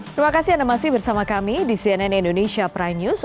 terima kasih anda masih bersama kami di cnn indonesia prime news